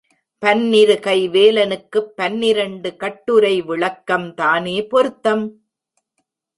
பன்னிருகை வேலனுக்குப் பன்னிரண்டு கட்டுரை விளக்கம் தானே பொருத்தம்?